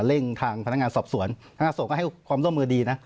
เร่งทางพนักงานสอบสวนพนักงานส่งก็ให้ความร่วมมือดีนะ